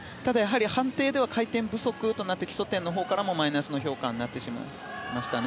判定では回転不足となって基礎点のほうからもマイナスの評価になってしまいましたね。